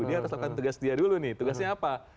dia harus lakukan tugas dia dulu nih tugasnya apa